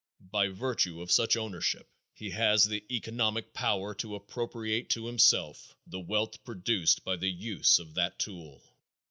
By virtue of such ownership he has the economic power to appropriate to himself the wealth produced by the use of that tool.